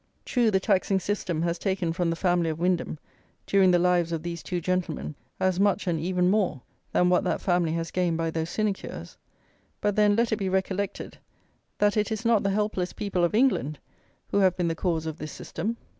True, the taxing system has taken from the family of Wyndham, during the lives of these two gentlemen, as much, and even more, than what that family has gained by those sinecures; but then let it be recollected, that it is not the helpless people of England who have been the cause of this system.